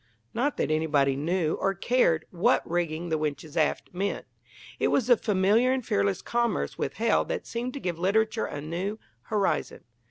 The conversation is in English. Not that anybody knew, or cared, what "rigging the winches aft" meant. It was the familiar and fearless commerce with hell that seemed to give literature a new: horizon.